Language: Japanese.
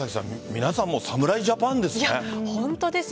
皆さん、もう侍ジャパンですね。